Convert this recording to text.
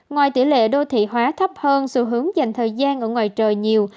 ngoài tỷ lệ đô thị hóa thấp hơn xu hướng dành thời gian ở ngoài trời nhiều